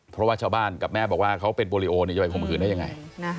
เพราะว่าชาวบ้านกับแม่บอกว่าเขาเป็นโปรลิโอจะไปข่มขืนได้ยังไง